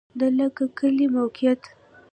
د لکه کی کلی موقعیت